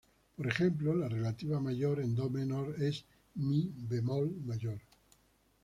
Por ejemplo, la relativa mayor de do menor es "mi" bemol mayor.